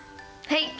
はい。